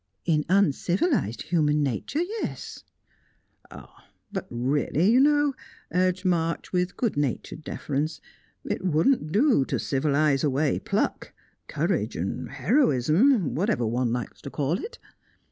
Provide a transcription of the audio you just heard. "In uncivilised human nature, yes." "But really, you know," urged March, with good natured deference, "it wouldn't do to civilise away pluck courage heroism whatever one likes to call it."